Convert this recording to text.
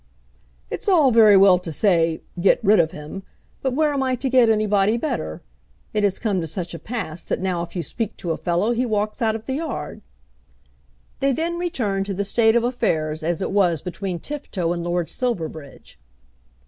"It's all very well to say 'Get rid of him,' but where am I to get anybody better? It has come to such a pass that now if you speak to a fellow he walks out of the yard." They then returned to the state of affairs, as it was between Tifto and Lord Silverbridge.